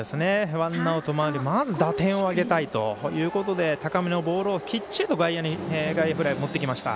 ワンアウト、満塁でまず打点を挙げたいということで高めのボールをきっちりと外野フライに持っていきました。